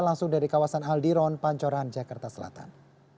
langsung dari kawasan aldiron pancoran jakarta selatan